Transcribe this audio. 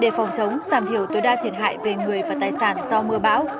để phòng chống giảm thiểu tối đa thiệt hại về người và tài sản do mưa bão